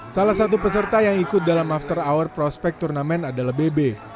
salah satu peserta yang ikut dalam after hour prospect turnamen adalah bb